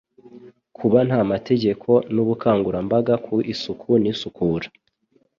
Kuba nta mategeko n'ubukangurambaga ku isuku n'isukura